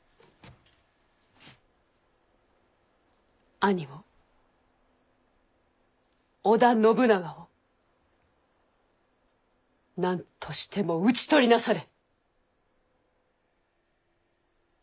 兄を織田信長を何としても討ち取りなされ。